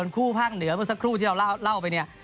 คู่ภาคเหนือเมื่อสักครู่ที่เราเล่าไปเนี่ย